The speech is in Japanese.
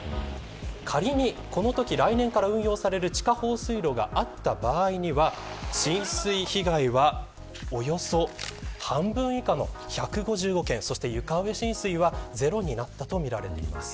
仮に、このとき来年から運用される地下放水路があった場合には浸水被害はおよそ半分以下の１５５件、床上浸水はゼロになったとみられています。